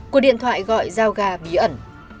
cuộc điện thoại gọi giao gà bí ẩn